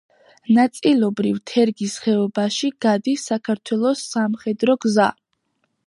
ნაწილობრივ თერგის ხეობაში გადის საქართველოს სამხედრო გზა.